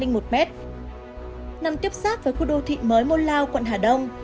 nằm tiếp sát với khu đô thị mới môn lao quận hà đông